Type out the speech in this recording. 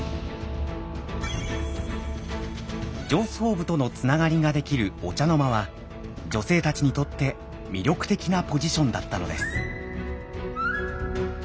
上層部とのつながりができる御茶之間は女性たちにとって魅力的なポジションだったのです。